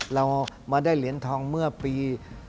เรามาได้เหรียญทองเมื่อปี๒๕๖